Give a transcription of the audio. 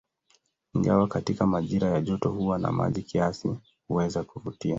Ingawa katika majira ya joto huwa na maji kiasi, huweza kuvutia.